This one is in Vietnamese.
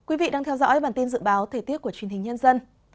quý vị đang theo dõi bản tin dự báo thời tiết của truyền hình nhân dân